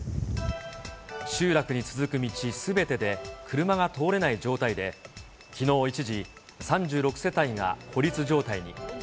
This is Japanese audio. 集落に続く道すべてで車が通れない状態で、きのう一時、３６世帯が孤立状態に。